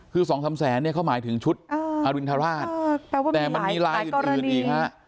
คือ๒๓แสนเขาหมายถึงชุดอรินทราชแต่มันมีหลายกรณี